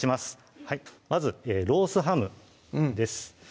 まずロースハムです